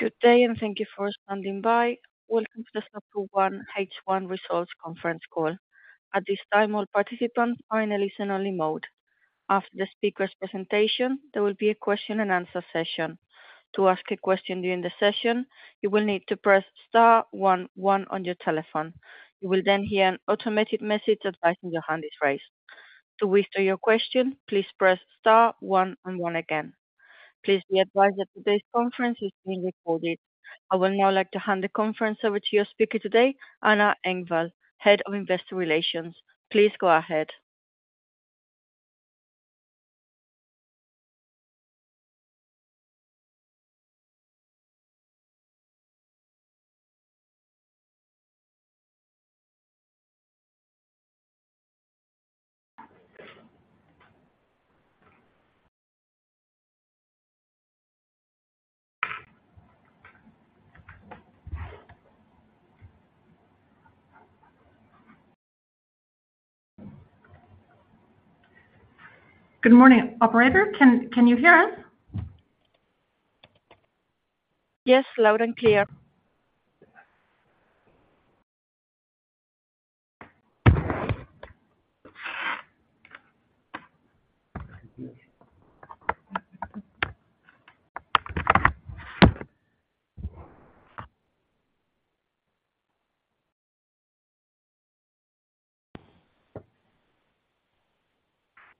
again. Please be advised that today's conference is being recorded. I would now like to hand the conference over to your speaker today, Anna Engvall, Head of Investor Relations. Please go ahead.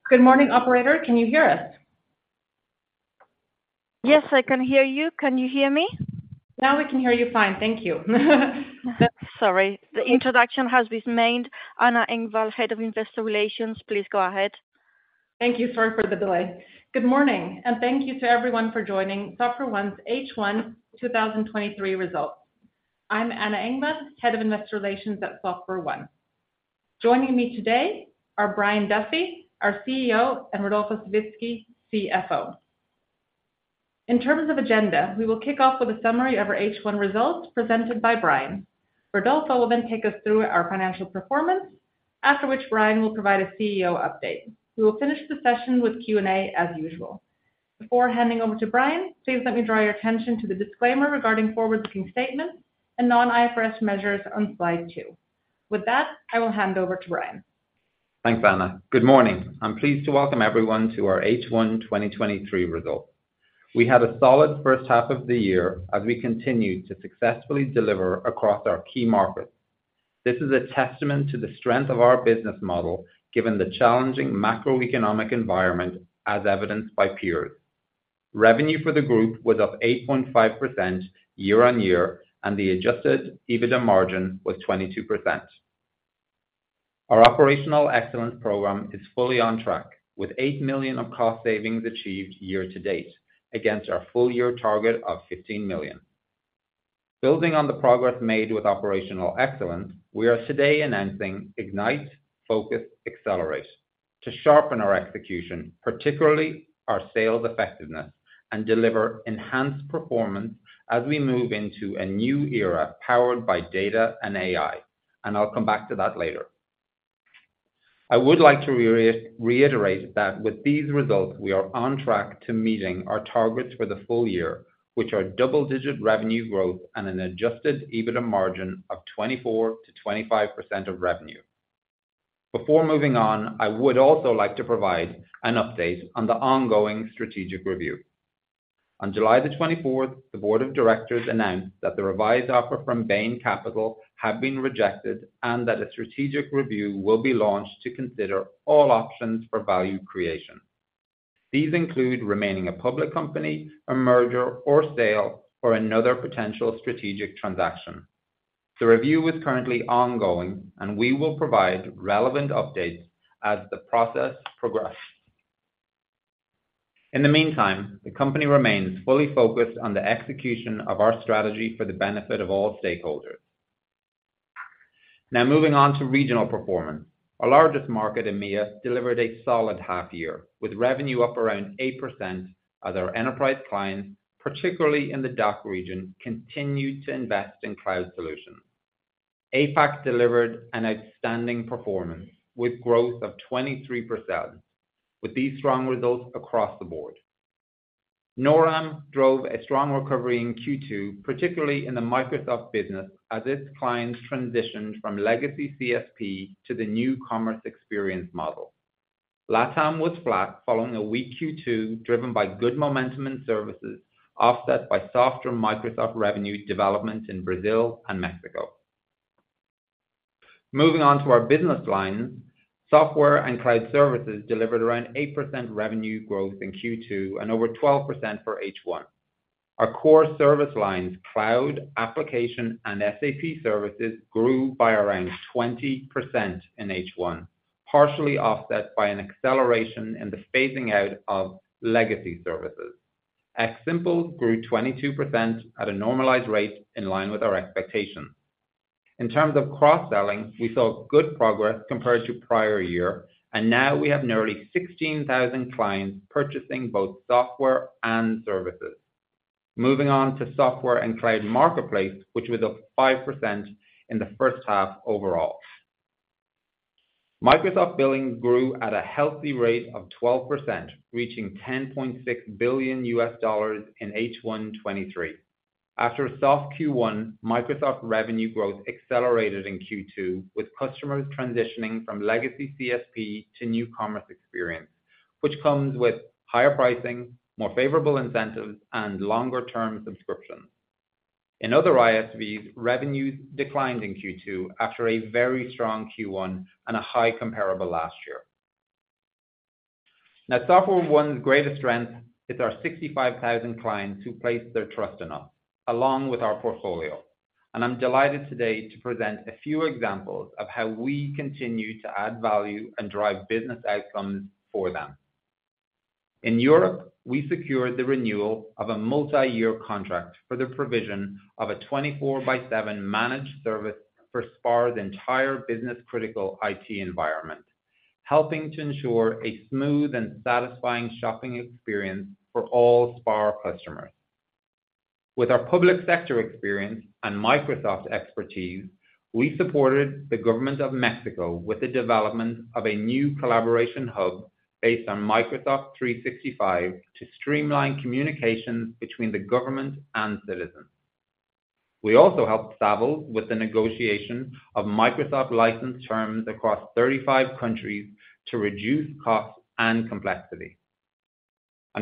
Thank you, sorry for the delay. Good morning, and thank you to everyone for joining SoftwareOne's H1 2023 results. I'm Anna Engvall, Head of Investor Relations at SoftwareOne. Joining me today are Brian Duffy, our CEO, and Rodolfo Savitzky, CFO. In terms of agenda, we will kick off with a summary of our H1 results presented by Brian. Rodolfo will then take us through our financial performance, after which Brian will provide a CEO update. We will finish the session with Q&A as usual. Before handing over to Brian, please let me draw your attention to the disclaimer regarding forward-looking statements and non-IFRS measures on slide two. With that, I will hand over to Brian. Thanks, Anna. Good morning. I'm pleased to welcome everyone to our H1 2023 results. We had a solid first half of the year as we continued to successfully deliver across our key markets. This is a testament to the strength of our business model, given the challenging macroeconomic environment as evidenced by peers. Revenue for the group was up 8.5% year-on-year, and the adjusted EBITDA margin was 22%. Our operational excellence program is fully on track, with 8 million of cost savings achieved year to date, against our full year target of 15 million. Building on the progress made with operational excellence, we are today announcing Ignite Focus Accelerate to sharpen our execution, particularly our sales effectiveness, and deliver enhanced performance as we move into a new era powered by data and AI, and I'll come back to that later. I would like to reiterate that with these results, we are on track to meeting our targets for the full year, which are double-digit revenue growth and an adjusted EBITDA margin of 24%-25% of revenue. Before moving on, I would also like to provide an update on the ongoing strategic review. On July 24, the board of directors announced that the revised offer from Bain Capital had been rejected and that a strategic review will be launched to consider all options for value creation. These include remaining a public company, a merger or sale, or another potential strategic transaction.... The review is currently ongoing, and we will provide relevant updates as the process progresses. In the meantime, the company remains fully focused on the execution of our strategy for the benefit of all stakeholders. Now, moving on to regional performance. Our largest market, EMEA, delivered a solid half year, with revenue up around 8% as our enterprise clients, particularly in the DACH region, continued to invest in cloud solutions. APAC delivered an outstanding performance with growth of 23%, with these strong results across the board. NORAM drove a strong recovery in Q2, particularly in the Microsoft business, as its clients transitioned from legacy CSP to the new commerce experience model. LATAM was flat following a weak Q2, driven by good momentum in services, offset by softer Microsoft revenue development in Brazil and Mexico. Moving on to our business lines, software and cloud services delivered around 8% revenue growth in Q2 and over 12% for H1. Our core service lines, cloud, application, and SAP services, grew by around 20% in H1, partially offset by an acceleration in the phasing out of legacy services. xSimple grew 22% at a normalized rate in line with our expectations. In terms of cross-selling, we saw good progress compared to prior year, and now we have nearly 16,000 clients purchasing both software and services. Moving on to software and cloud marketplace, which was up 5% in the first half overall. Microsoft billing grew at a healthy rate of 12%, reaching $10.6 billion in H1 2023. After a soft Q1, Microsoft revenue growth accelerated in Q2, with customers transitioning from legacy CSP to New Commerce Experience, which comes with higher pricing, more favorable incentives, and longer term subscriptions. In other ISVs, revenues declined in Q2 after a very strong Q1 and a high comparable last year. Now, SoftwareOne's greatest strength is our 65,000 clients who place their trust in us, along with our portfolio, and I'm delighted today to present a few examples of how we continue to add value and drive business outcomes for them. In Europe, we secured the renewal of a multi-year contract for the provision of a 24 by 7 managed service for SPAR's entire business-critical IT environment, helping to ensure a smooth and satisfying shopping experience for all SPAR customers. With our public sector experience and Microsoft expertise, we supported the government of Mexico with the development of a new collaboration hub based on Microsoft 365 to streamline communication between the government and citizens. We also helped Savills with the negotiation of Microsoft license terms across 35 countries to reduce costs and complexity.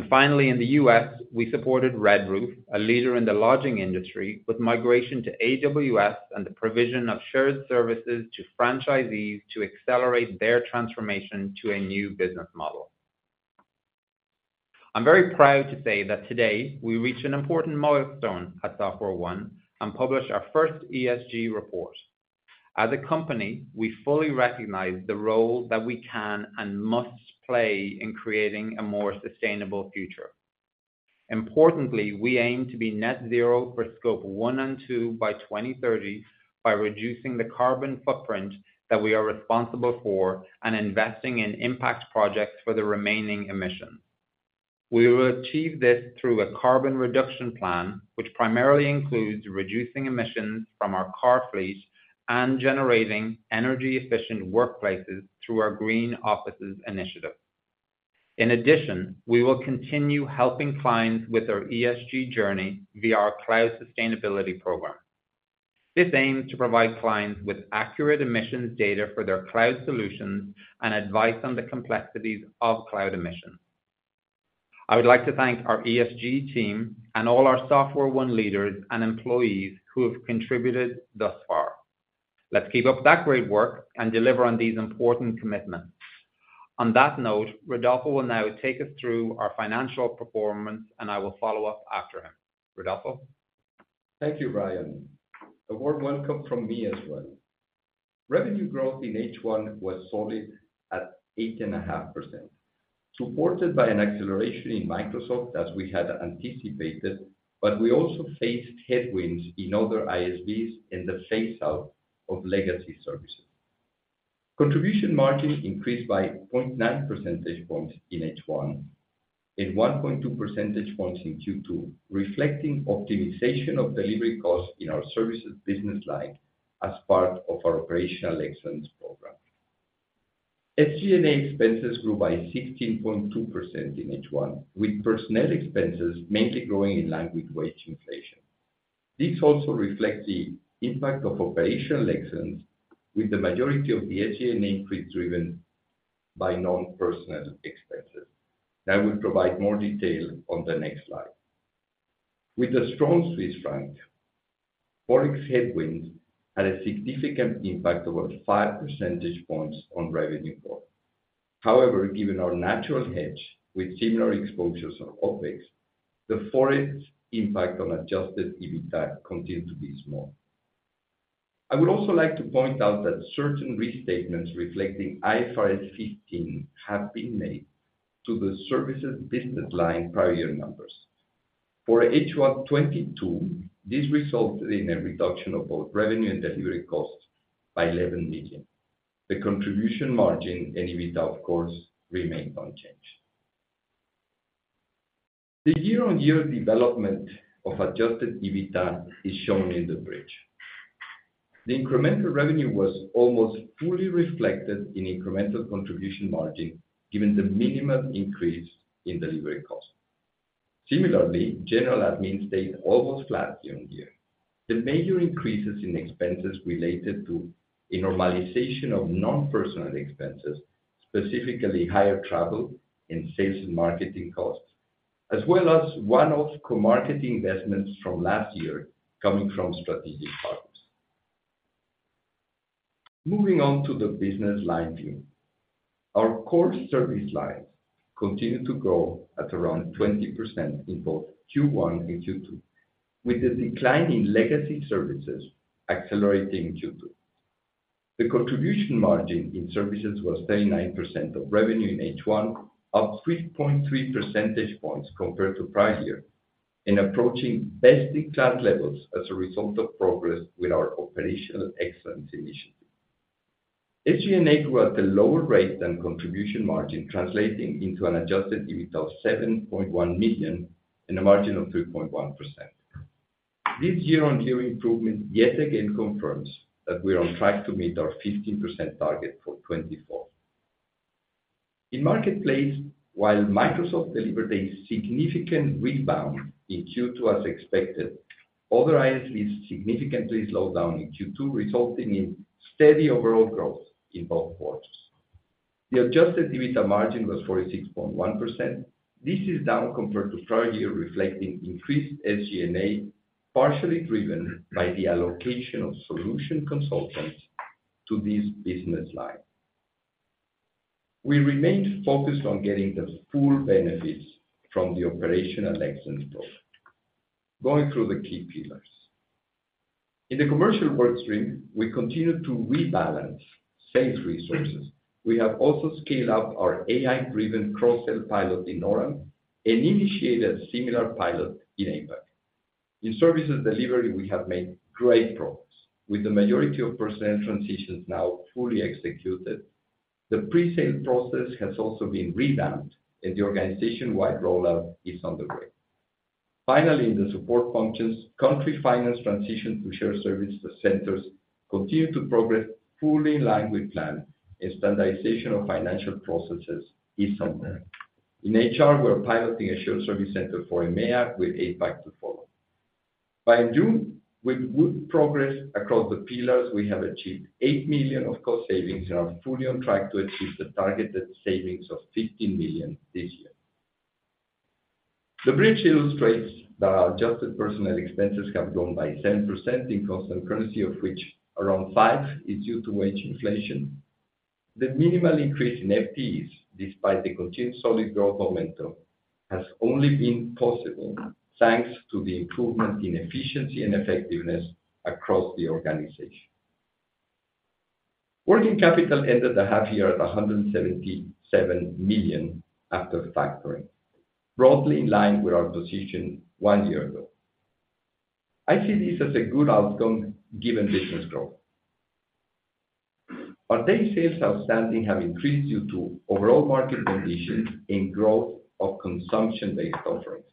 Finally, in the US, we supported Red Roof, a leader in the lodging industry, with migration to AWS and the provision of shared services to franchisees to accelerate their transformation to a new business model. I'm very proud to say that today we reach an important milestone at SoftwareOne and publish our first ESG report. As a company, we fully recognize the role that we can and must play in creating a more sustainable future. Importantly, we aim to be net zero for Scope 1 and 2 by 2030 by reducing the carbon footprint that we are responsible for and investing in impact projects for the remaining emissions. We will achieve this through a carbon reduction plan, which primarily includes reducing emissions from our car fleet and generating energy-efficient workplaces through our Green Offices initiative. In addition, we will continue helping clients with their ESG journey via our Cloud Sustainability Program. This aims to provide clients with accurate emissions data for their cloud solutions and advice on the complexities of cloud emissions. I would like to thank our ESG team and all our SoftwareOne leaders and employees who have contributed thus far. Let's keep up that great work and deliver on these important commitments. On that note, Rodolfo will now take us through our financial performance, and I will follow up after him. Rodolfo? Thank you, Brian. A warm welcome from me as well. Revenue growth in H1 was solid at 8.5%, supported by an acceleration in Microsoft as we had anticipated, but we also faced headwinds in other ISVs in the phase out of legacy services. Contribution margin increased by 0.9 percentage points in H1 and 1.2 percentage points in Q2, reflecting optimization of delivery costs in our services business line as part of our operational excellence program. SG&A expenses grew by 16.2% in H1, with personnel expenses mainly growing in line with wage inflation. This also reflects the impact of operational excellence, with the majority of the SG&A increase driven by non-personnel expenses. I will provide more detail on the next slide. With the strong Swiss franc, Forex headwinds had a significant impact, about 5 percentage points on revenue growth. However, given our natural hedge with similar exposures on OpEx, the Forex impact on adjusted EBITDA continued to be small. I would also like to point out that certain restatements reflecting IFRS 15 have been made to the services business line prior year numbers. For H1 2022, this resulted in a reduction of both revenue and delivery costs by 11 million. The contribution margin and EBITDA, of course, remained unchanged. The year-on-year development of adjusted EBITDA is shown in the bridge. The incremental revenue was almost fully reflected in incremental contribution margin, given the minimal increase in delivery cost. Similarly, general admin stayed almost flat year-on-year. The major increases in expenses related to a normalization of non-personnel expenses, specifically higher travel and sales and marketing costs, as well as one-off co-marketing investments from last year coming from strategic partners. Moving on to the business line view. Our core service lines continued to grow at around 20% in both Q1 and Q2, with the decline in legacy services accelerating in Q2. The contribution margin in services was 39% of revenue in H1, up 3.3 percentage points compared to prior year, and approaching best-in-class levels as a result of progress with our operational excellence initiative. SG&A grew at a lower rate than contribution margin, translating into an adjusted EBIT of 7.1 million and a margin of 2.1%. This year-on-year improvement yet again confirms that we are on track to meet our 15% target for 2024. In Marketplace, while Microsoft delivered a significant rebound in Q2 as expected, other ISVs significantly slowed down in Q2, resulting in steady overall growth in both quarters. The adjusted EBITA margin was 46.1%. This is down compared to prior year, reflecting increased SG&A, partially driven by the allocation of solution consultants to this business line. We remain focused on getting the full benefits from the operational excellence program. Going through the key pillars. In the commercial work stream, we continue to rebalance sales resources. We have also scaled up our AI-driven cross-sell pilot in NORAM and initiated a similar pilot in APAC. In services delivery, we have made great progress, with the majority of personnel transitions now fully executed. The presale process has also been revamped, and the organization-wide rollout is underway. Finally, in the support functions, country finance transition to shared service centers continue to progress fully in line with plan, and standardization of financial processes is underway. In HR, we are piloting a shared service center for EMEA, with APAC to follow. By June, with good progress across the pillars, we have achieved 8 million of cost savings and are fully on track to achieve the targeted savings of 15 million this year. The bridge illustrates that our adjusted personnel expenses have grown by 10% in constant currency, of which around 5% is due to wage inflation. The minimal increase in FTEs, despite the continued solid growth momentum, has only been possible thanks to the improvement in efficiency and effectiveness across the organization. Working capital ended the half year at 177 million after factoring, broadly in line with our position one year ago. I see this as a good outcome given business growth. Our Days Sales Outstanding have increased due to overall market conditions and growth of consumption-based offerings.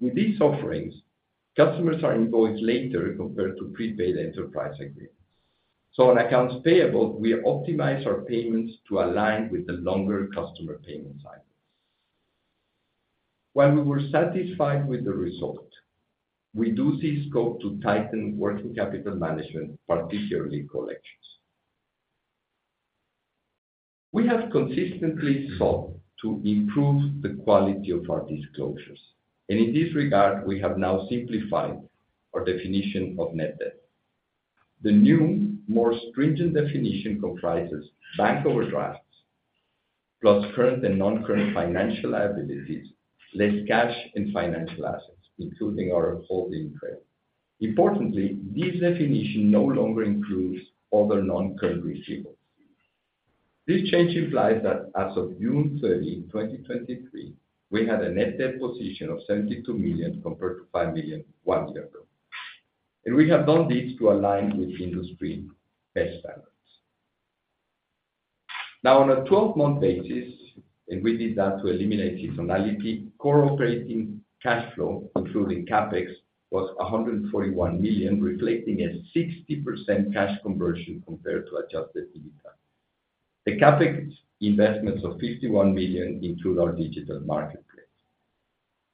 With these offerings, customers are invoiced later compared to prepaid enterprise agreements. On accounts payable, we optimize our payments to align with the longer customer payment cycles. While we were satisfied with the result, we do see scope to tighten working capital management, particularly collections. We have consistently sought to improve the quality of our disclosures, and in this regard, we have now simplified our definition of net debt. The new, more stringent definition comprises bank overdrafts, plus current and non-current financial liabilities, less cash and financial assets, including our holding trade. Importantly, this definition no longer includes other non-current receivables. This change implies that as of June 30, 2023, we had a net debt position of 72 million, compared to 5 million one year ago. We have done this to align with industry best standards. Now, on a twelve-month basis, and we did that to eliminate seasonality, core operating cash flow, including CapEx, was 141 million, reflecting a 60% cash conversion compared to adjusted EBITDA. The CapEx investments of 51 million include our digital marketplace.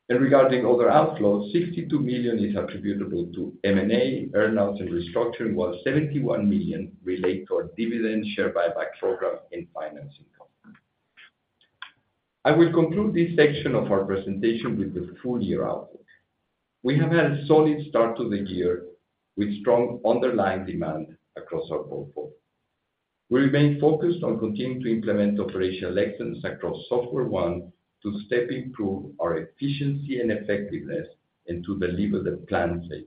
Regarding other outflows, 62 million is attributable to M&A, earnouts, and restructuring, while 71 million relate to our dividend share buyback program and finance income. I will conclude this section of our presentation with the full year outlook. We have had a solid start to the year, with strong underlying demand across our portfolio. We remain focused on continuing to implement operational excellence across SoftwareOne to step improve our efficiency and effectiveness, and to deliver the planned savings.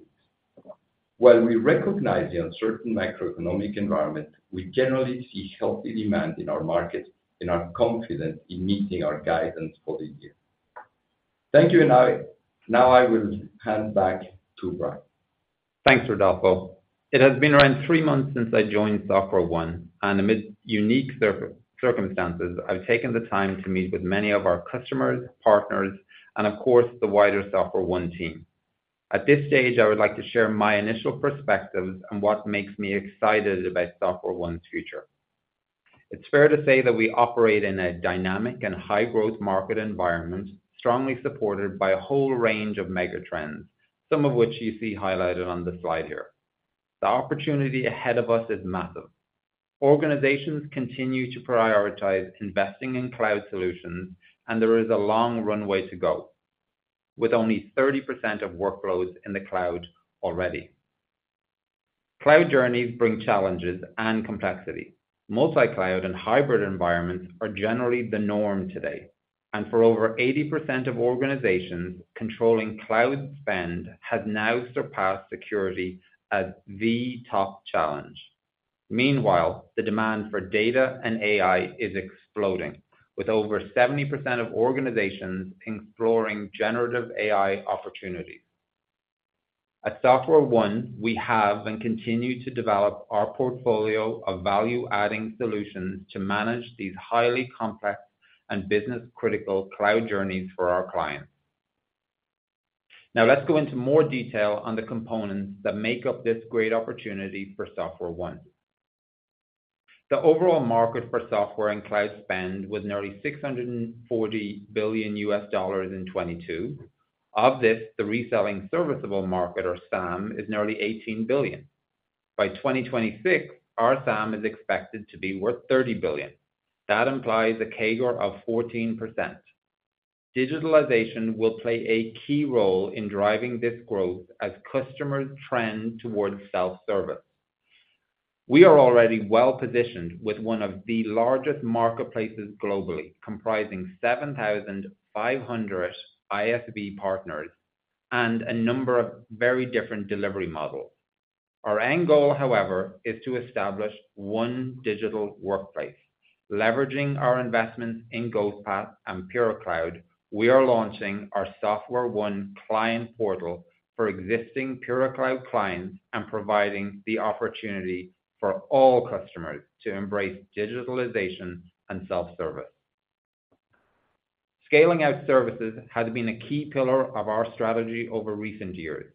While we recognize the uncertain macroeconomic environment, we generally see healthy demand in our markets and are confident in meeting our guidance for the year. Thank you, and now I will hand back to Brian. Thanks, Rodolfo. It has been around three months since I joined SoftwareOne, and amid unique circumstances, I've taken the time to meet with many of our customers, partners, and of course, the wider SoftwareOne team. At this stage, I would like to share my initial perspectives on what makes me excited about SoftwareOne's future. It's fair to say that we operate in a dynamic and high-growth market environment, strongly supported by a whole range of mega trends, some of which you see highlighted on the slide here. The opportunity ahead of us is massive. Organizations continue to prioritize investing in cloud solutions, and there is a long runway to go, with only 30% of workloads in the cloud already. Cloud journeys bring challenges and complexity. Multi-cloud and hybrid environments are generally the norm today, and for over 80% of organizations, controlling cloud spend has now surpassed security as the top challenge. Meanwhile, the demand for data and AI is exploding, with over 70% of organizations exploring generative AI opportunities. At SoftwareOne, we have and continue to develop our portfolio of value-adding solutions to manage these highly complex and business-critical cloud journeys for our clients. Now, let's go into more detail on the components that make up this great opportunity for SoftwareOne. The overall market for software and cloud spend was nearly $640 billion in 2022. Of this, the reselling serviceable market, or SAM, is nearly $18 billion. By 2026, our SAM is expected to be worth $30 billion. That implies a CAGR of 14%. Digitalization will play a key role in driving this growth as customers trend towards self-service. We are already well-positioned with one of the largest marketplaces globally, comprising 7,500 ISV partners and a number of very different delivery models. Our end goal, however, is to establish one digital workplace. Leveraging our investments in Goldpath and PureCloud, we are launching our SoftwareOne Client Portal for existing PureCloud clients and providing the opportunity for all customers to embrace digitalization and self-service. Scaling out services has been a key pillar of our strategy over recent years.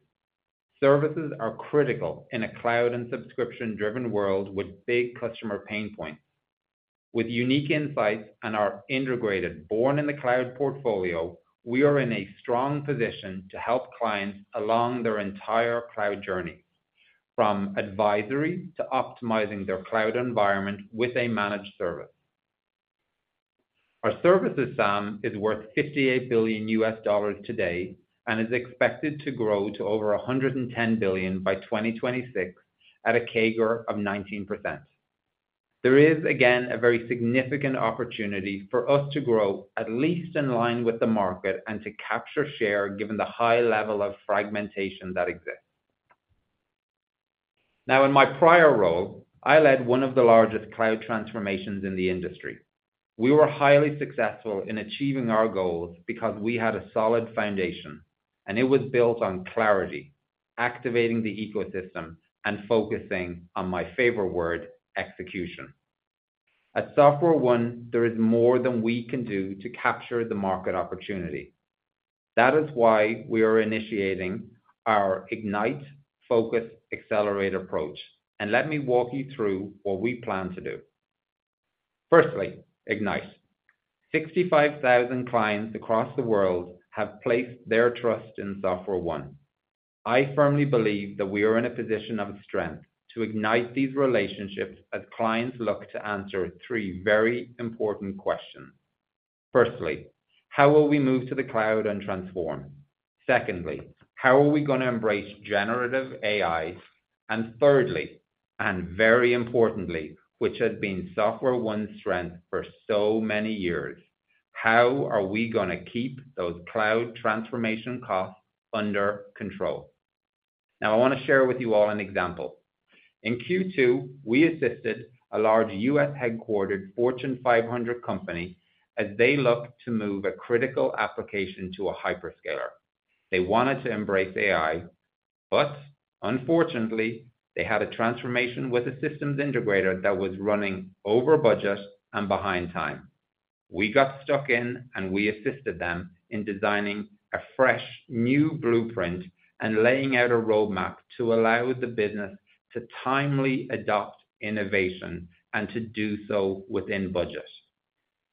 Services are critical in a cloud and subscription-driven world with big customer pain points. With unique insights and our integrated born in the cloud portfolio, we are in a strong position to help clients along their entire cloud journey, from advisory to optimizing their cloud environment with a managed service. Our services SAM is worth $58 billion today, and is expected to grow to over $110 billion by 2026 at a 19% CAGR. There is, again, a very significant opportunity for us to grow at least in line with the market and to capture share, given the high level of fragmentation that exists. Now, in my prior role, I led one of the largest cloud transformations in the industry. We were highly successful in achieving our goals because we had a solid foundation, and it was built on clarity, activating the ecosystem, and focusing on my favorite word, execution. At SoftwareOne, there is more than we can do to capture the market opportunity. That is why we are initiating our ignite, focus, accelerate approach, and let me walk you through what we plan to do. Firstly, ignite. 65,000 clients across the world have placed their trust in SoftwareOne. I firmly believe that we are in a position of strength to ignite these relationships as clients look to answer three very important questions. Firstly, how will we move to the cloud and transform? Secondly, how are we going to embrace generative AI? Thirdly, and very importantly, which has been SoftwareOne's strength for so many years, how are we gonna keep those cloud transformation costs under control? Now, I want to share with you all an example. In Q2, we assisted a large U.S.-headquartered Fortune 500 company as they looked to move a critical application to a hyperscaler. They wanted to embrace AI, but unfortunately, they had a transformation with a systems integrator that was running over budget and behind time. We got stuck in, and we assisted them in designing a fresh, new blueprint and laying out a roadmap to allow the business to timely adopt innovation and to do so within budget.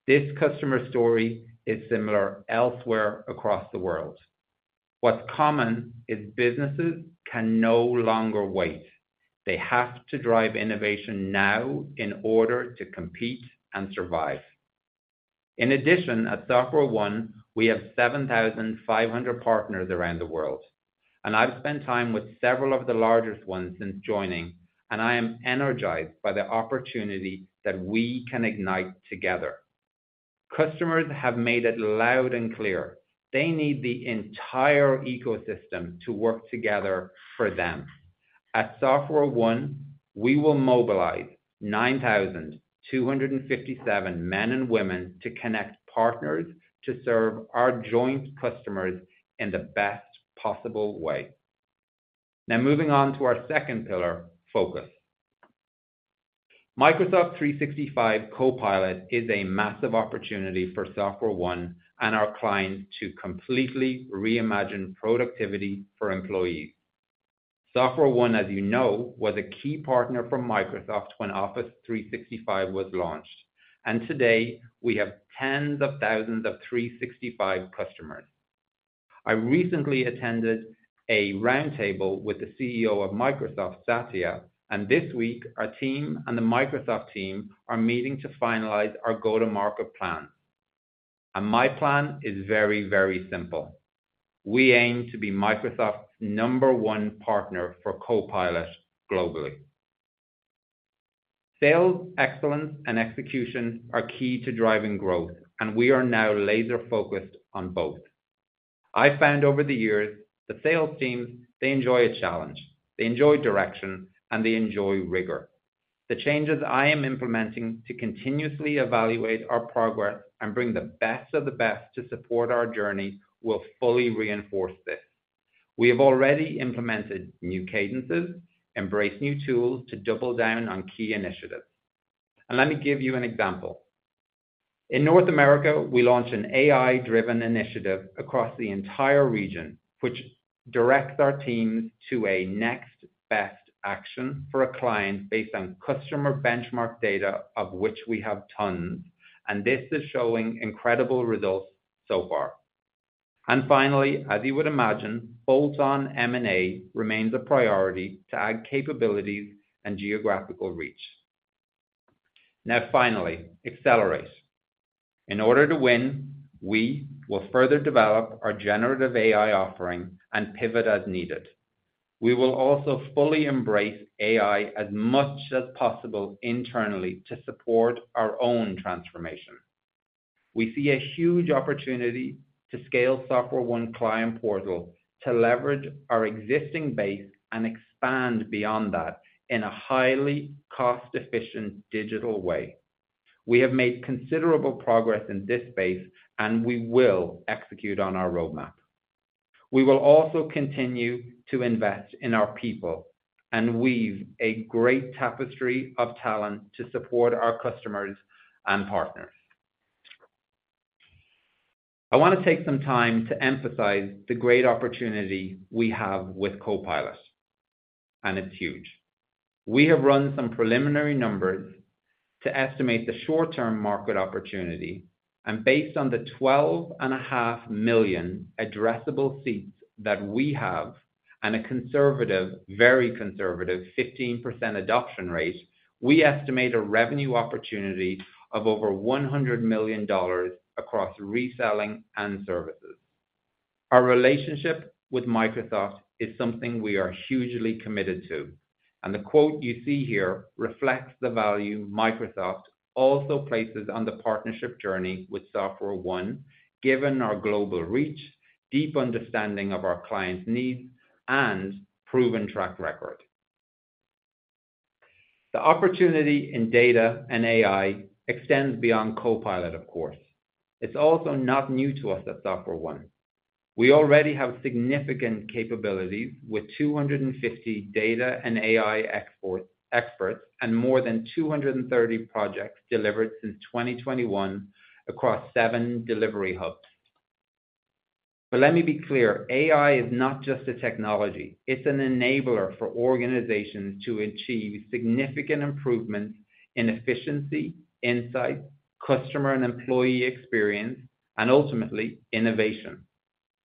This customer story is similar elsewhere across the world. What's common is businesses can no longer wait. They have to drive innovation now in order to compete and survive. In addition, at SoftwareOne, we have 7,500 partners around the world, and I've spent time with several of the largest ones since joining, and I am energized by the opportunity that we can ignite together. Customers have made it loud and clear, they need the entire ecosystem to work together for them. At SoftwareOne, we will mobilize 9,257 men and women to connect partners to serve our joint customers in the best possible way. Now, moving on to our second pillar, focus. Microsoft 365 Copilot is a massive opportunity for SoftwareOne and our clients to completely reimagine productivity for employees. SoftwareOne, as you know, was a key partner for Microsoft when Office 365 was launched, and today we have tens of thousands of 365 customers. I recently attended a roundtable with the CEO of Microsoft, Satya, and this week, our team and the Microsoft team are meeting to finalize our go-to-market plan. My plan is very, very simple: We aim to be Microsoft's number one partner for Copilot globally. Sales excellence and execution are key to driving growth, and we are now laser-focused on both. I found over the years, the sales teams, they enjoy a challenge, they enjoy direction, and they enjoy rigor. The changes I am implementing to continuously evaluate our progress and bring the best of the best to support our journey will fully reinforce this. We have already implemented new cadences, embraced new tools to double down on key initiatives. Let me give you an example. In North America, we launched an AI-driven initiative across the entire region, which directs our teams to a next best action for a client based on customer benchmark data, of which we have tons, and this is showing incredible results so far. Finally, as you would imagine, bolt-on M&A remains a priority to add capabilities and geographical reach. Now, finally, accelerate. In order to win, we will further develop our generative AI offering and pivot as needed. We will also fully embrace AI as much as possible internally to support our own transformation. We see a huge opportunity to scale SoftwareOne Client Portal to leverage our existing base and expand beyond that in a highly cost-efficient digital way. We have made considerable progress in this space, and we will execute on our roadmap. We will also continue to invest in our people and weave a great tapestry of talent to support our customers and partners. I want to take some time to emphasize the great opportunity we have with Copilot, and it's huge. We have run some preliminary numbers to estimate the short-term market opportunity, and based on the 12.5 million addressable seats that we have, and a conservative, very conservative, 15% adoption rate, we estimate a revenue opportunity of over $100 million across reselling and services. Our relationship with Microsoft is something we are hugely committed to, and the quote you see here reflects the value Microsoft also places on the partnership journey with SoftwareOne, given our global reach, deep understanding of our clients' needs, and proven track record. The opportunity in data and AI extends beyond Copilot, of course. It's also not new to us at SoftwareOne. We already have significant capabilities with 250 data and AI experts, and more than 230 projects delivered since 2021 across seven delivery hubs. But let me be clear, AI is not just a technology, it's an enabler for organizations to achieve significant improvements in efficiency, insight, customer and employee experience, and ultimately, innovation.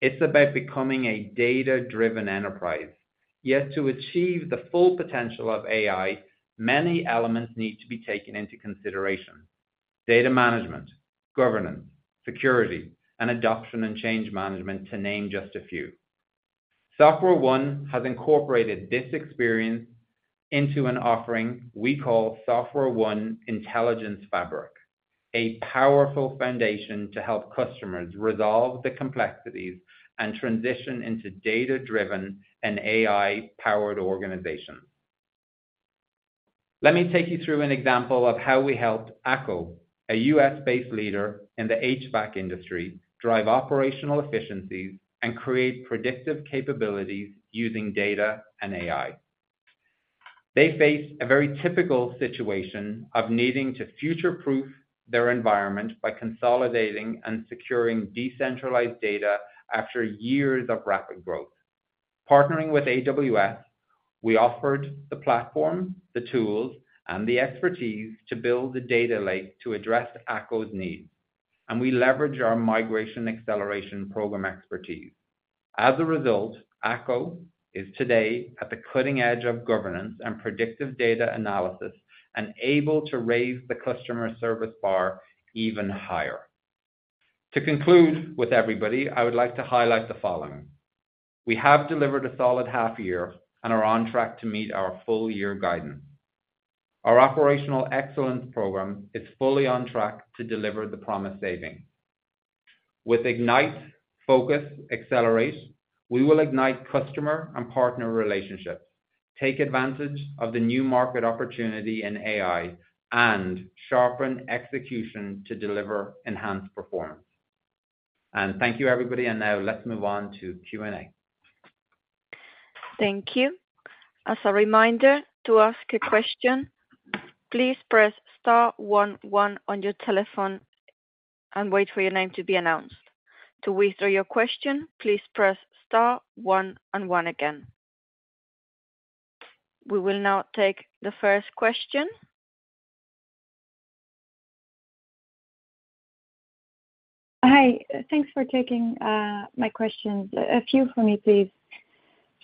It's about becoming a data-driven enterprise. Yet to achieve the full potential of AI, many elements need to be taken into consideration: data management, governance, security, and adoption and change management, to name just a few. SoftwareOne has incorporated this experience into an offering we call SoftwareOne Intelligence Fabric, a powerful foundation to help customers resolve the complexities and transition into data-driven and AI-powered organizations. Let me take you through an example of how we helped ACCO, a U.S.-based leader in the HVAC industry, drive operational efficiencies and create predictive capabilities using data and AI. They faced a very typical situation of needing to future-proof their environment by consolidating and securing decentralized data after years of rapid growth.... Partnering with AWS, we offered the platform, the tools, and the expertise to build the data lake to address ACCO's needs, and we leveraged our migration acceleration program expertise. As a result, ACCO is today at the cutting edge of governance and predictive data analysis, and able to raise the customer service bar even higher. To conclude with everybody, I would like to highlight the following: We have delivered a solid half year and are on track to meet our full-year guidance. Our operational excellence program is fully on track to deliver the promised savings. With Ignite, Focus, Accelerate, we will ignite customer and partner relationships, take advantage of the new market opportunity in AI, and sharpen execution to deliver enhanced performance. Thank you, everybody, and now let's move on to Q&A. Thank you. As a reminder, to ask a question, please press star one one on your telephone and wait for your name to be announced. To withdraw your question, please press star one and one again. We will now take the first question. Hi, thanks for taking my questions. A few for me, please.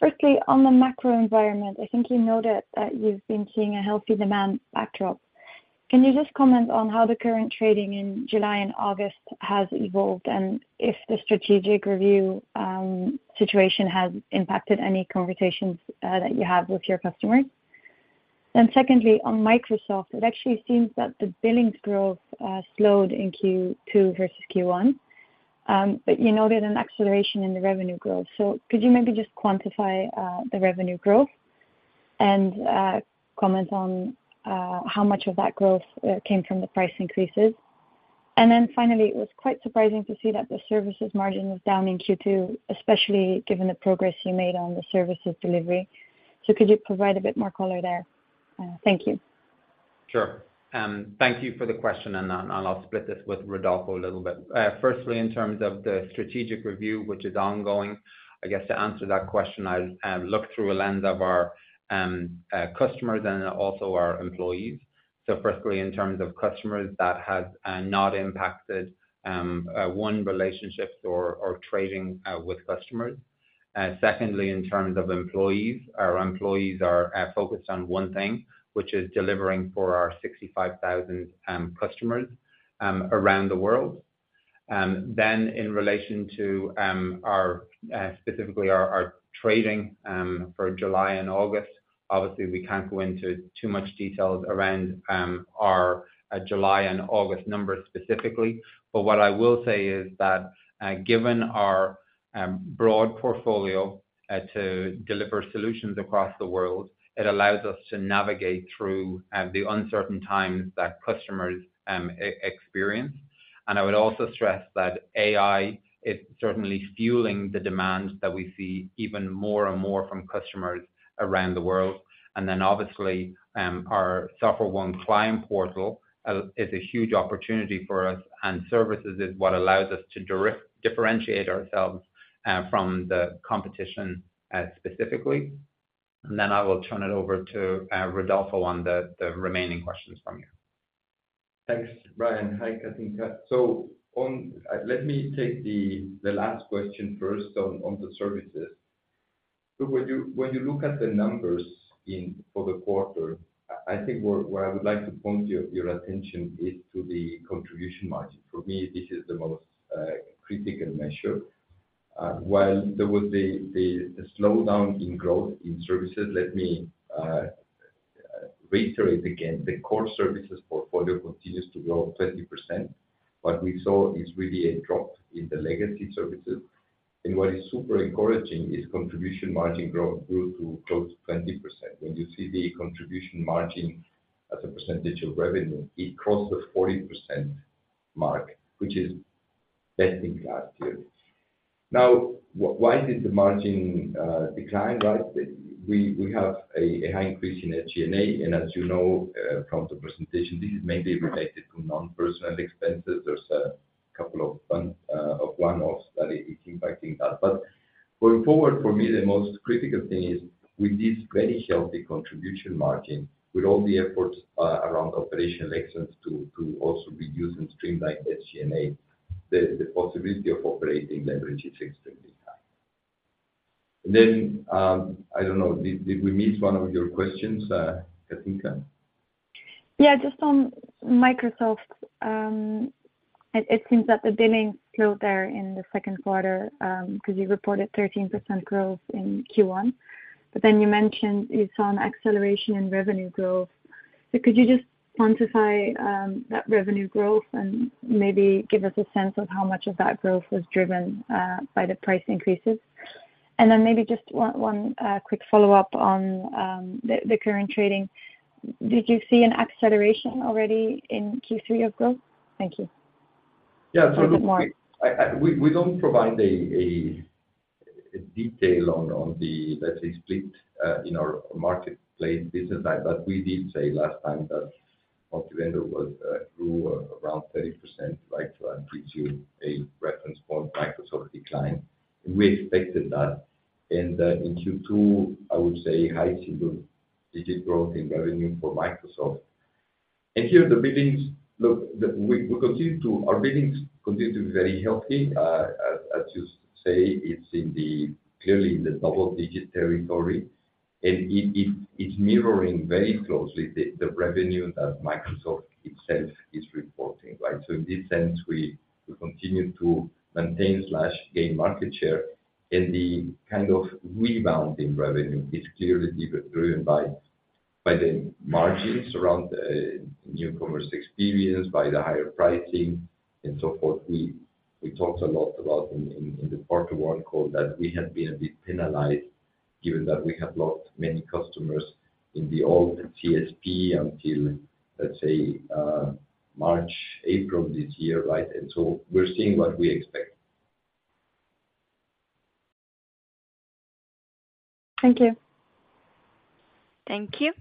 Firstly, on the macro environment, I think you noted that you've been seeing a healthy demand backdrop. Can you just comment on how the current trading in July and August has evolved, and if the strategic review situation has impacted any conversations that you have with your customers? Then secondly, on Microsoft, it actually seems that the billings growth slowed in Q2 versus Q1. But you noted an acceleration in the revenue growth. So could you maybe just quantify the revenue growth and comment on how much of that growth came from the price increases? Finally, it was quite surprising to see that the services margin was down in Q2, especially given the progress you made on the services delivery. So could you provide a bit more color there? Thank you. Sure, thank you for the question, and I'll split this with Rodolfo a little bit. Firstly, in terms of the strategic review, which is ongoing, I guess to answer that question, I'll look through a lens of our customers and also our employees. So firstly, in terms of customers, that has not impacted one relationships or trading with customers. Secondly, in terms of employees, our employees are focused on one thing, which is delivering for our 65,000 customers around the world. Then in relation to specifically our trading for July and August, obviously, we can't go into too much details around our July and August numbers specifically. But what I will say is that, given our broad portfolio to deliver solutions across the world, it allows us to navigate through the uncertain times that customers experience. I would also stress that AI is certainly fueling the demand that we see even more and more from customers around the world. Obviously, our SoftwareOne Client Portal is a huge opportunity for us, and services is what allows us to differentiate ourselves from the competition, specifically. I will turn it over to Rodolfo on the remaining questions from you. Thanks, Ryan. Hi, Katinka. So on... Let me take the last question first on the services. So when you look at the numbers in for the quarter, I think where I would like to point your attention is to the contribution margin. For me, this is the most critical measure. While there was the slowdown in growth in services, let me reiterate again, the core services portfolio continues to grow 20%. What we saw is really a drop in the legacy services. What is super encouraging is contribution margin growth grew to close to 20%. When you see the contribution margin as a percentage of revenue, it crossed the 40% mark, which is best in class too. Now, why did the margin decline, right? We have a high increase in SG&A, and as you know, from the presentation, this is mainly related to non-personnel expenses. There's a couple of one-offs that is impacting that. But going forward, for me, the most critical thing is, with this very healthy contribution margin, with all the efforts around operational excellence to also reduce and streamline SG&A, the possibility of operating leverage is extremely high. I don't know, did we miss one of your questions, Katinka? Yeah, just on Microsoft. It seems that the billing slowed there in the second quarter, because you reported 13% growth in Q1, but then you mentioned you saw an acceleration in revenue growth. So could you just quantify that revenue growth and maybe give us a sense of how much of that growth was driven by the price increases? Maybe just one quick follow-up on the current trading. Did you see an acceleration already in Q3 of growth? Thank you. Yeah. A little bit more. We don't provide a detail on the, let's say, split in our marketplace business line, but we did say last time that Multivendor grew around 30%, right? So that gives you a reference point Microsoft decline, and we expected that. In Q2, I would say, high single-digit growth in revenue for Microsoft. Here, the biddings continue to be very healthy. As you say, it's clearly in the double-digit territory, and it's mirroring very closely the revenue that Microsoft itself is reporting, right? So in this sense, we continue to maintain slash gain market share, and the kind of rebounding revenue is clearly driven by the margins around New Commerce Experience, by the higher pricing and so forth. We talked a lot about in the quarter one call that we had been a bit penalized, given that we have lost many customers in the old CSP until, let's say, March, April this year, right? So we're seeing what we expect. Thank you. Thank you.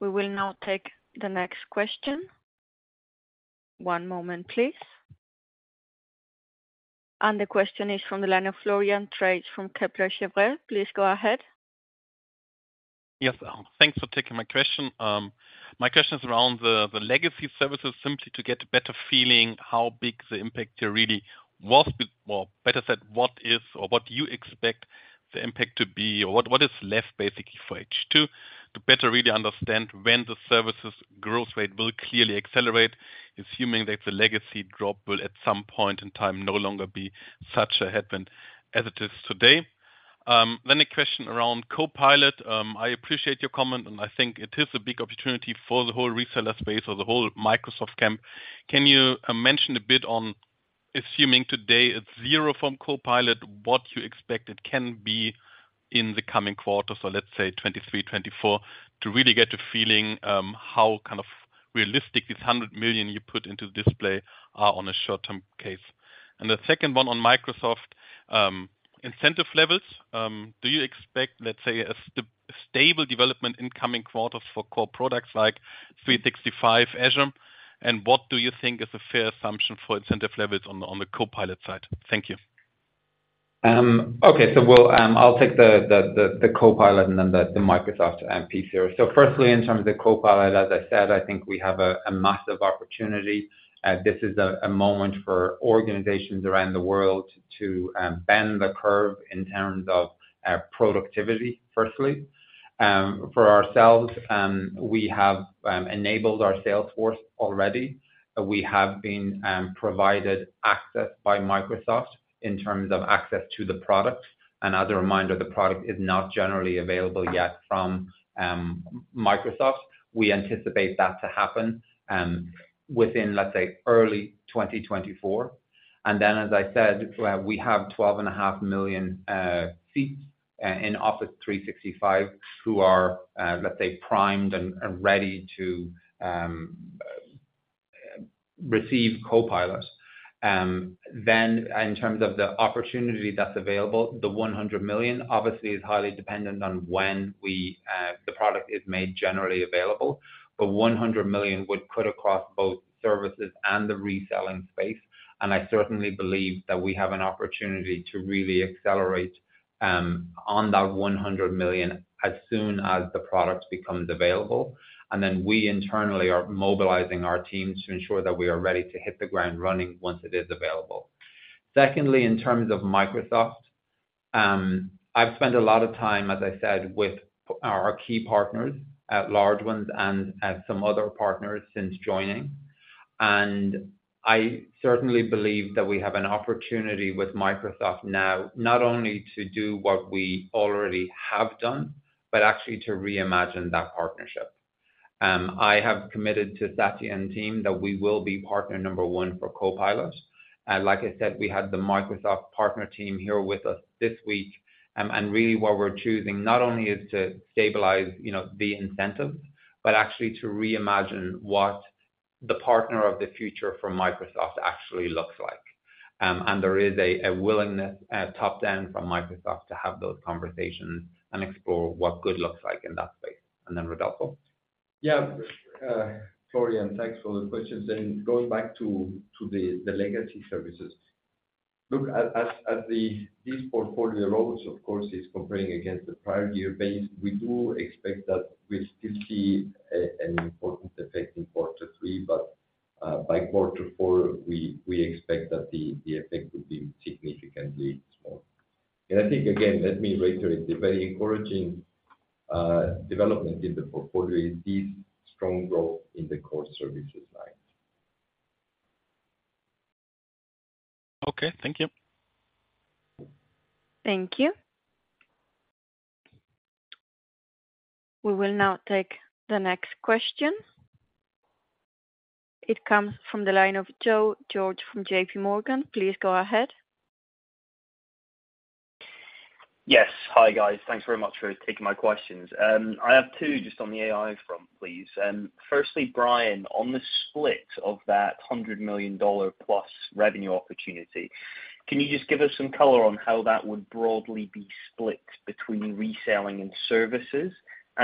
We will now take the next question. One moment, please. The question is from the line of Florian Treisch from Kepler Cheuvreux. Please go ahead. Yes, thanks for taking my question. My question is around the, the legacy services, simply to get a better feeling how big the impact really was, or better said, what is or what you expect the impact to be, or what, what is left basically for H2, to better really understand when the services growth rate will clearly accelerate, assuming that the legacy drop will, at some point in time, no longer be such a headwind as it is today. Then a question around Copilot. I appreciate your comment, and I think it is a big opportunity for the whole reseller space or the whole Microsoft camp. Can you mention a bit on assuming today it's zero from Copilot, what you expect it can be in the coming quarter, so let's say 2023, 2024, to really get a feeling how kind of realistic this $100 million you put into the display on a short-term case? The second one on Microsoft incentive levels. Do you expect, let's say, a stable development in coming quarters for core products like 365, Azure? What do you think is a fair assumption for incentive levels on the Copilot side? Thank you. Okay. So we'll, I'll take the Copilot and then the Microsoft piece here. So firstly, in terms of the Copilot, as I said, I think we have a massive opportunity. This is a moment for organizations around the world to bend the curve in terms of productivity, firstly. For ourselves, we have enabled our sales force already. We have been provided access by Microsoft in terms of access to the product. As a reminder, the product is not generally available yet from Microsoft. We anticipate that to happen within, let's say, early 2024. As I said, we have 12.5 million seats in Office 365, who are, let's say, primed and ready to receive Copilot. Then in terms of the opportunity that's available, the $100 million obviously is highly dependent on when we, the product is made generally available. But $100 million would cut across both services and the reselling space, and I certainly believe that we have an opportunity to really accelerate, on that $100 million as soon as the product becomes available. We internally are mobilizing our teams to ensure that we are ready to hit the ground running once it is available. Secondly, in terms of Microsoft, I've spent a lot of time, as I said, with our key partners, large ones and, some other partners since joining. I certainly believe that we have an opportunity with Microsoft now, not only to do what we already have done, but actually to reimagine that partnership. I have committed to Satya and team that we will be partner number one for Copilot. Like I said, we had the Microsoft partner team here with us this week. Really what we're choosing not only is to stabilize, you know, the incentives, but actually to reimagine what the partner of the future for Microsoft actually looks like. There is a willingness top-down from Microsoft to have those conversations and explore what good looks like in that space. Then Rodolfo? Yeah, Florian, thanks for the questions. Then going back to the legacy services. Look, as this portfolio loads, of course, is comparing against the prior year base, we do expect that we'll still see an important effect in quarter three, but by quarter four, we expect that the effect would be significantly small. I think again, let me reiterate, the very encouraging development in the portfolio is this strong growth in the core services line. Okay. Thank you. Thank you. We will now take the next question. It comes from the line of Joe George from J.P. Morgan. Please go ahead. Yes. Hi, guys. Thanks very much for taking my questions. I have two just on the AI front, please. Firstly, Brian, on the split of that $100 million-plus revenue opportunity-... Can you just give us some color on how that would broadly be split between reselling and services?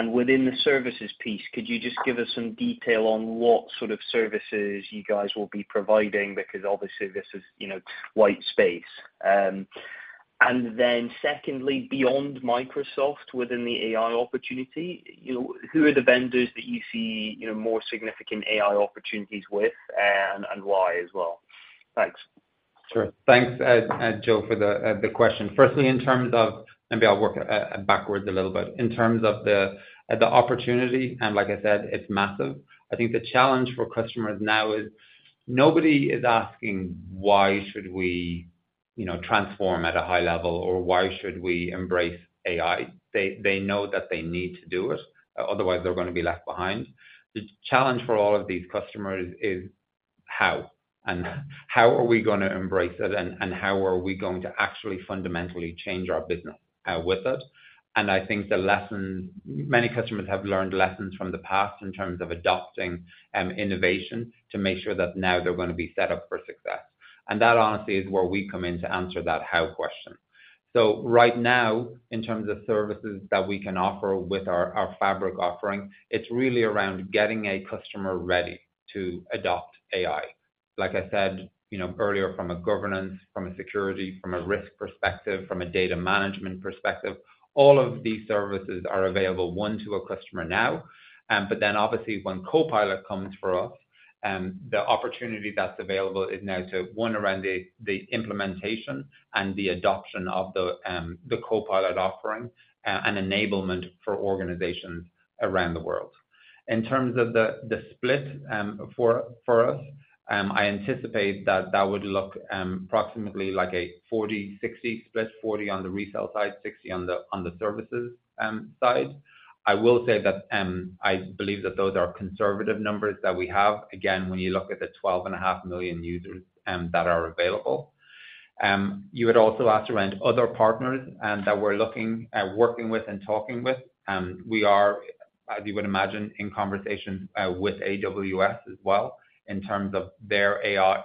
Within the services piece, could you just give us some detail on what sort of services you guys will be providing? Because obviously, this is, you know, white space. Secondly, beyond Microsoft, within the AI opportunity, you know, who are the vendors that you see, you know, more significant AI opportunities with, and why as well? Thanks. Sure. Thanks, Joe, for the question. Firstly, in terms of... Maybe I'll work backwards a little bit. In terms of the opportunity, and like I said, it's massive. I think the challenge for customers now is nobody is asking, "Why should we, you know, transform at a high level?" Or, "Why should we embrace AI?" They know that they need to do it, otherwise they're gonna be left behind. The challenge for all of these customers is how, and how are we gonna embrace it, and how are we going to actually fundamentally change our business with it? I think the lesson... Many customers have learned lessons from the past in terms of adopting innovation, to make sure that now they're gonna be set up for success. That, honestly, is where we come in to answer that how question. So right now, in terms of services that we can offer with our Fabric offering, it's really around getting a customer ready to adopt AI. Like I said, you know, earlier, from a governance, from a security, from a risk perspective, from a data management perspective, all of these services are available to a customer now. But then, obviously, when Copilot comes for us, the opportunity that's available is now to around the implementation and the adoption of the Copilot offering, and enablement for organizations around the world. In terms of the split, for us, I anticipate that that would look approximately like a 40-60 split, 40 on the resale side, 60 on the services side. I will say that, I believe that those are conservative numbers that we have. Again, when you look at the 12.5 million users that are available. You would also ask around other partners that we're looking at working with and talking with. We are, as you would imagine, in conversations with AWS as well, in terms of their AI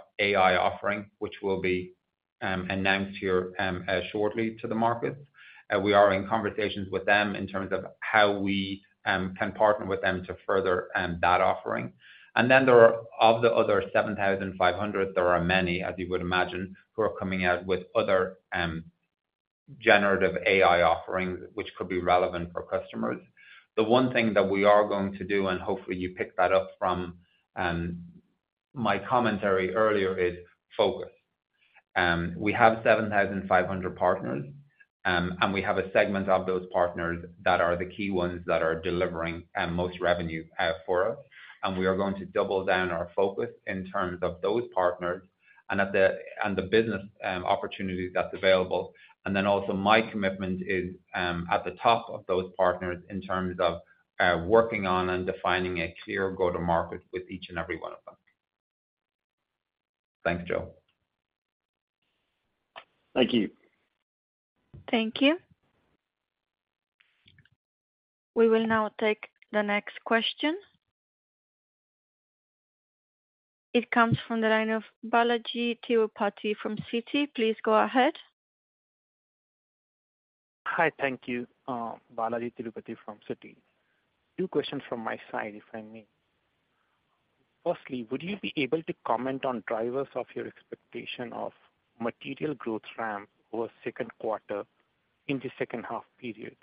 offering, which will be announced here shortly to the market. We are in conversations with them in terms of how we can partner with them to further that offering. There are, of the other 7,500, there are many, as you would imagine, who are coming out with other generative AI offerings, which could be relevant for customers. The one thing that we are going to do, and hopefully you picked that up from, my commentary earlier, is focus. We have 7,500 partners, and we have a segment of those partners that are the key ones that are delivering, most revenue, for us. We are going to double down our focus in terms of those partners and at the, and the business, opportunity that's available. Also my commitment is, at the top of those partners in terms of, working on and defining a clear go-to-market with each and every one of them. Thank you, Joe. Thank you. Thank you. We will now take the next question. It comes from the line of Balaji Tirupati from Citi. Please go ahead. Hi. Thank you, Balaji Tirupati from Citi. Two questions from my side, if I may. Firstly, would you be able to comment on drivers of your expectation of material growth ramp over second quarter in the second half period?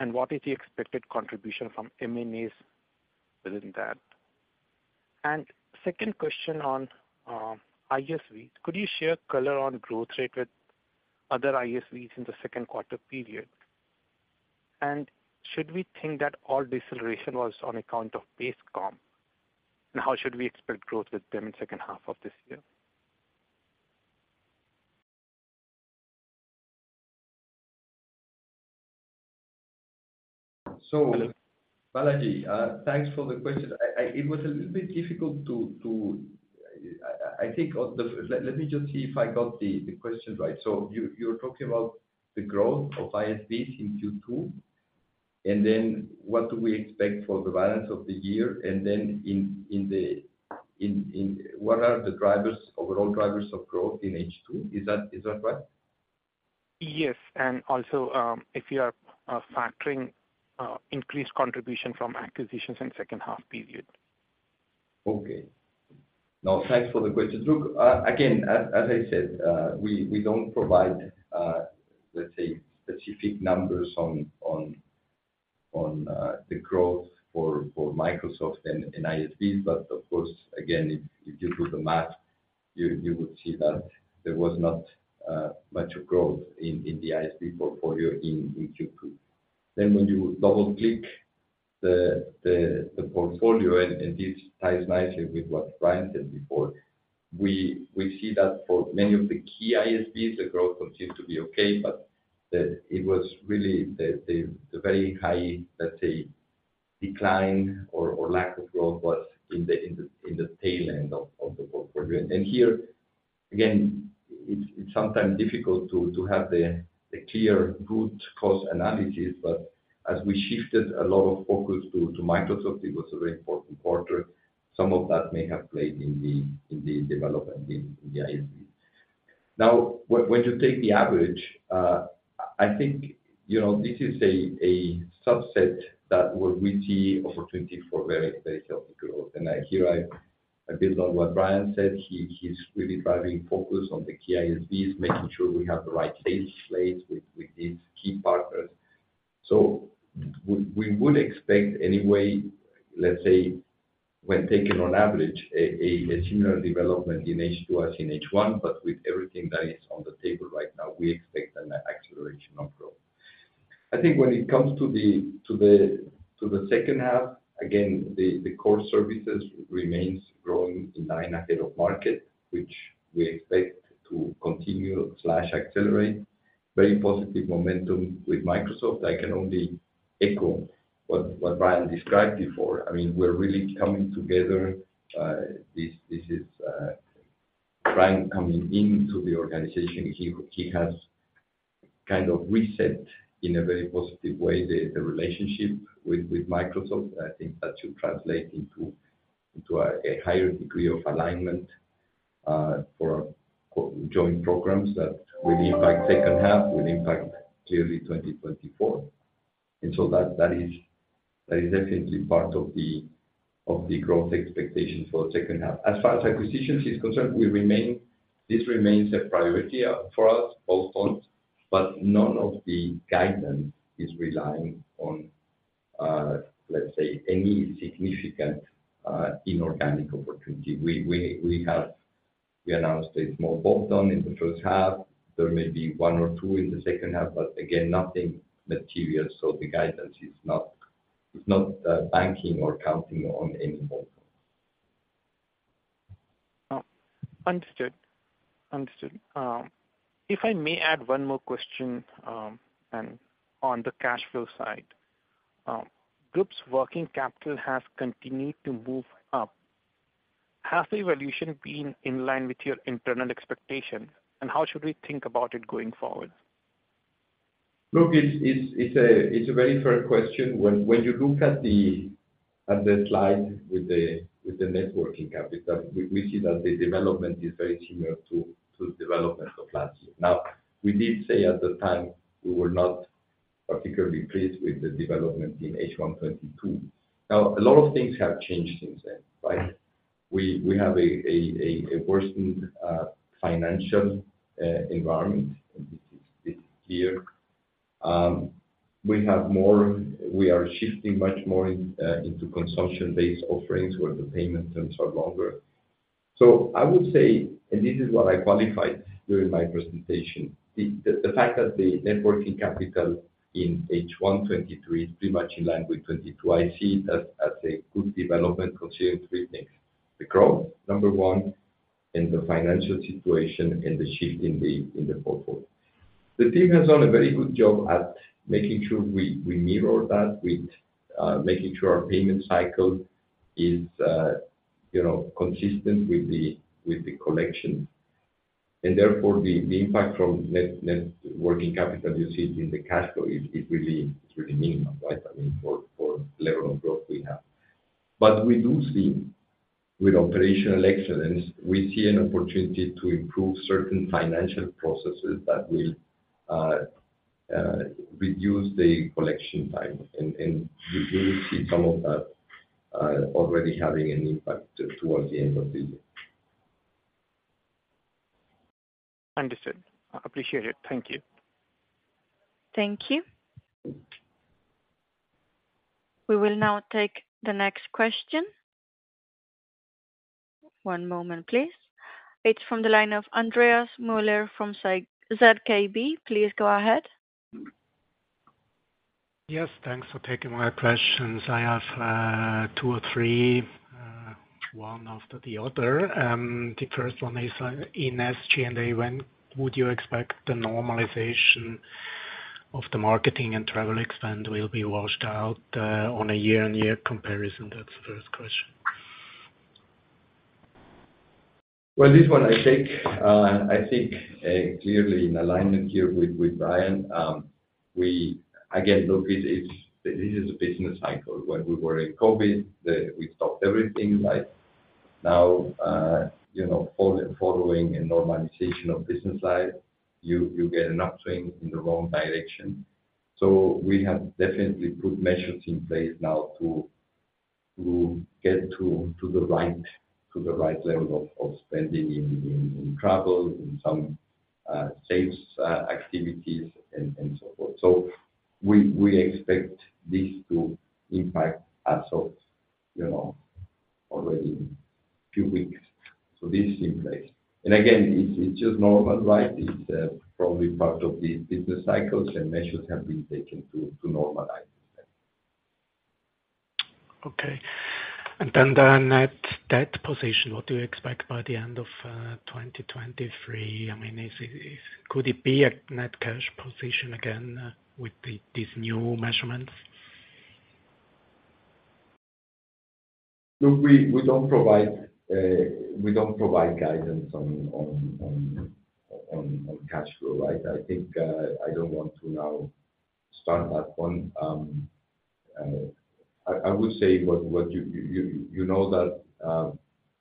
What is the expected contribution from M&As within that? Second question on, ISV. Could you share color on growth rate with other ISVs in the second quarter period? Should we think that all deceleration was on account of base comp, and how should we expect growth with them in second half of this year? So, Balaji, thanks for the question. It was a little bit difficult to think on the... Let me just see if I got the question right. So, you're talking about the growth of ISVs in Q2, and then what do we expect for the balance of the year, and then what are the drivers, overall drivers of growth in H2? Is that right? Yes. Also, if you are factoring increased contribution from acquisitions in second half period. Okay. Now, thanks for the question. Look, again, as I said, we don't provide, let's say, specific numbers on the growth for Microsoft and ISVs. But of course, again, if you do the math, you would see that there was not much growth in the ISV portfolio in Q2. Then when you double-click the portfolio, and this ties nicely with what Brian said before, we see that for many of the key ISVs, the growth continues to be okay, but the... It was really the very high, let's say, decline or lack of growth, was in the tail end of the portfolio. Here, again, it's sometimes difficult to have the clear good cost analysis. But as we shifted a lot of focus to Microsoft, it was a very important quarter. Some of that may have played in the development in the ISV. Now, when you take the average, I think, you know, this is a subset that where we see opportunity for very, very healthy growth. And I build on what Brian said. He's really driving focus on the key ISVs, making sure we have the right sales slates with these key partners. So we would expect anyway, let's say, when taken on average, a similar development in H2 as in H1, but with everything that is on the table right now, we expect an acceleration of growth. I think when it comes to the second half, again, the core services remains growing in line ahead of market, which we expect to continue slash accelerate. Very positive momentum with Microsoft. I can only echo what Brian described before. I mean, we're really coming together. This, this is Brian coming into the organization. He, he has kind of reset, in a very positive way, the, the relationship with Microsoft. I think that should translate into, into a higher degree of alignment for joint programs that will impact second half, will impact clearly 2024. So that, that is, that is definitely part of the growth expectation for the second half. As far as acquisitions is concerned, we remain—this remains a priority for us, both on, but none of the guidance is relying on, let's say, any significant inorganic opportunity. We, we, we have—we announced a small bolt-on in the first half. There may be one or two in the second half, but again, nothing material. So the guidance is not, is not banking or counting on any bolt-on. Oh, understood. Understood. If I may add one more question, and on the cash flow side. Group's working capital has continued to move up. Has the evolution been in line with your internal expectations, and how should we think about it going forward? Look, it's a very fair question. When you look at the slide with the net working capital, we see that the development is very similar to development of last year. Now, we did say at the time, we were not particularly pleased with the development in H1 2022. Now, a lot of things have changed since then, right? We have a worsened financial environment, and this is here. We are shifting much more into consumption-based offerings, where the payment terms are longer. So I would say, and this is what I qualified during my presentation, the fact that the net working capital in H1 2023 is pretty much in line with 2022, I see that as a good development considering three things: the growth, number one, and the financial situation, and the shift in the portfolio. The team has done a very good job at making sure we mirror that with making sure our payment cycle is, you know, consistent with the collection. Therefore, the impact from net working capital you see in the cash flow is really minimal, right? I mean, for level of growth we have. But we do see, with operational excellence, we see an opportunity to improve certain financial processes that will reduce the collection time, and we do see some of that already having an impact towards the end of the year. Understood. I appreciate it. Thank you. Thank you. We will now take the next question. One moment, please. It's from the line of Andreas Müller from ZKB. Please go ahead. Yes, thanks for taking my questions. I have, two or three, one after the other. The first one is, in SG&A, when would you expect the normalization of the marketing and travel spend will be washed out, on a year-on-year comparison? That's the first question. Well, this one I take. I think clearly in alignment here with Brian. Again, look, it's this is a business cycle, where we were in COVID. We stopped everything, right? Now, you know, following a normalization of business life, you get an upswing in the wrong direction. So we have definitely put measures in place now to get to the right level of spending in travel, in some sales activities and so forth. So we expect this to impact ourselves, you know, already in few weeks. So this is in place. Again, it's just normal, right? It's probably part of the business cycles, and measures have been taken to normalize this then. Okay. The net debt position, what do you expect by the end of 2023? I mean, is it could it be a net cash position again with these new measurements? Look, we don't provide guidance on cash flow, right? I think I don't want to now start at one. I would say what you know that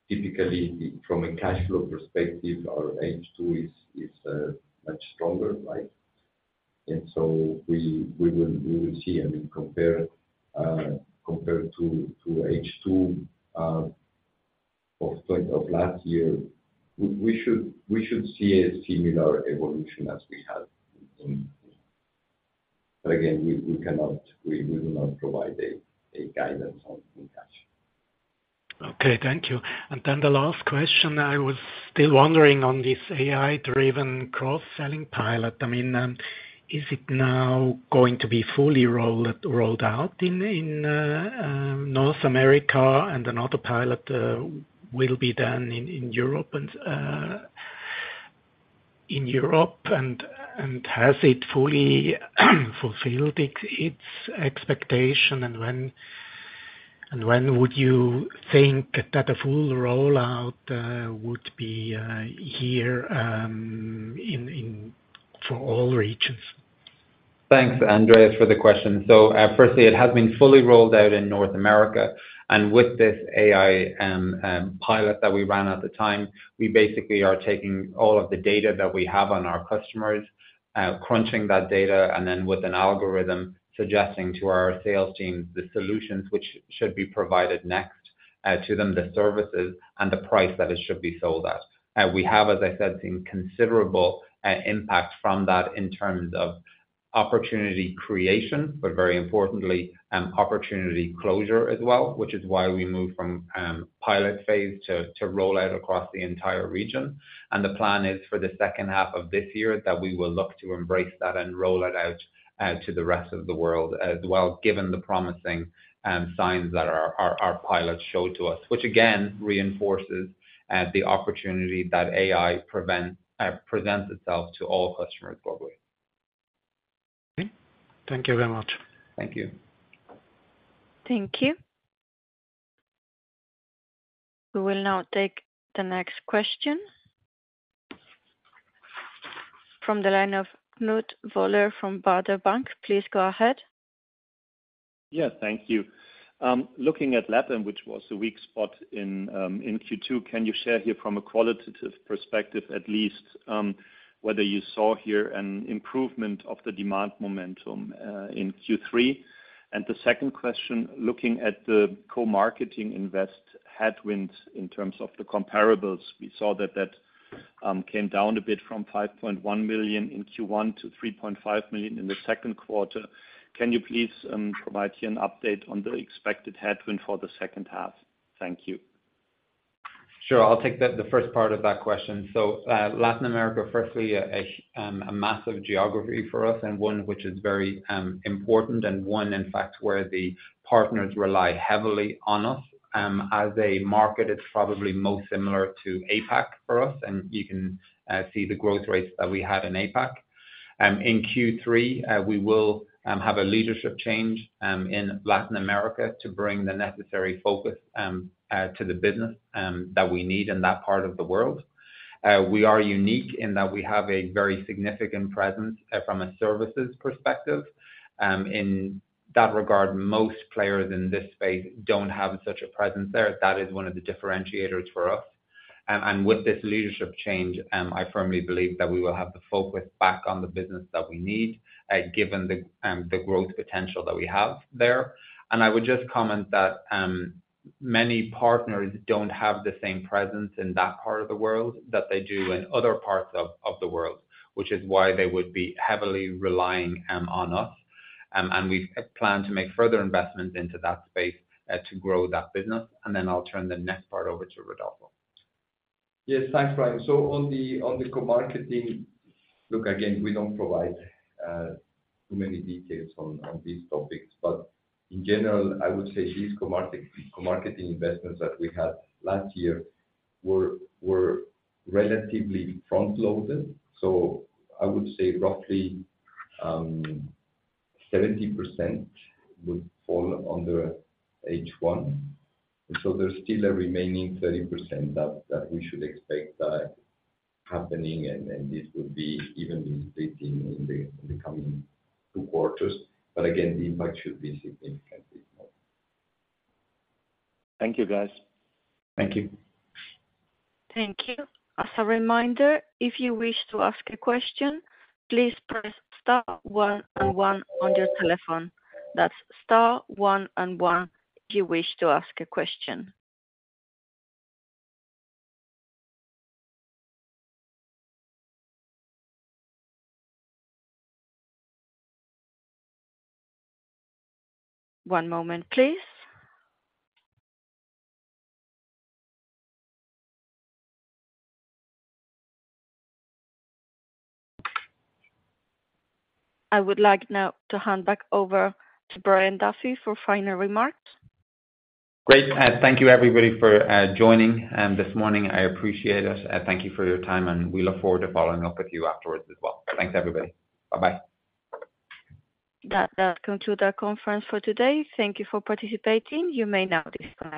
typically from a cash flow perspective, our H2 is much stronger, right? So we will see. I mean, compared to H2 of point of last year, we should see a similar evolution as we had in. But again, we cannot. We will not provide guidance on cash. Okay, thank you. The last question, I was still wondering on this AI-driven cross-selling pilot. I mean, is it now going to be fully rolled out in North America, and another pilot will be done in Europe, and has it fully fulfilled its expectation? When would you think that a full rollout would be here in for all regions? Thanks, Andreas, for the question. So, firstly, it has been fully rolled out in North America. With this AI pilot that we ran at the time, we basically are taking all of the data that we have on our customers, crunching that data, and then with an algorithm, suggesting to our sales teams the solutions which should be provided next, to them, the services, and the price that it should be sold at. We have, as I said, seen considerable impact from that in terms of opportunity creation, but very importantly, opportunity closure as well, which is why we moved from pilot phase to roll out across the entire region. The plan is for the second half of this year, that we will look to embrace that and roll it out to the rest of the world as well, given the promising signs that our pilot showed to us. Which again reinforces the opportunity that AI presents itself to all customers globally. Okay. Thank you very much. Thank you. Thank you. We will now take the next question. From the line of Knut Woller from Baader Bank. Please go ahead. Yeah, thank you. Looking at LATAM, which was the weak spot in Q2, can you share here from a qualitative perspective at least, whether you saw here an improvement of the demand momentum in Q3? The second question, looking at the co-marketing invest headwinds in terms of the comparables, we saw that came down a bit from 5.1 million in Q1 to 3.5 million in the second quarter. Can you please provide here an update on the expected headwind for the second half? Thank you. Sure. I'll take the first part of that question. So, Latin America, firstly, a massive geography for us, and one which is very important, and one, in fact, where the partners rely heavily on us. As a market, it's probably most similar to APAC for us, and you can see the growth rates that we have in APAC. In Q3, we will have a leadership change in Latin America, to bring the necessary focus to the business that we need in that part of the world. We are unique in that we have a very significant presence from a services perspective. In that regard, most players in this space don't have such a presence there. That is one of the differentiators for us. With this leadership change, I firmly believe that we will have the focus back on the business that we need, given the growth potential that we have there. I would just comment that many partners don't have the same presence in that part of the world that they do in other parts of the world, which is why they would be heavily relying on us. We plan to make further investments into that space, to grow that business. I'll turn the next part over to Rodolfo. Yes. Thanks, Brian. So on the, on the co-marketing... Look, again, we don't provide too many details on, on these topics, but in general, I would say these co-marketing investments that we had last year were, were relatively front-loaded. So I would say roughly, 70% would fall under H1. So there's still a remaining 30% that, that we should expect happening, and, and this would be even in, in, in the, in the coming two quarters. But again, the impact should be significantly more. Thank you, guys. Thank you. Thank you. As a reminder, if you wish to ask a question, please press star one and one on your telephone. That's star one and one if you wish to ask a question. I would like now to hand back over to Brian Duffy for final remarks. Great. Thank you, everybody, for joining this morning. I appreciate it. Thank you for your time, and we look forward to following up with you afterwards as well. Thanks, everybody. Bye-bye. That concludes our conference for today. Thank you for participating. You may now disconnect.